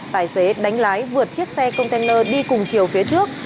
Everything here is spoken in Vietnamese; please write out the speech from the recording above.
tài xế đánh lái vượt chiếc xe container đi cùng chiều phía trước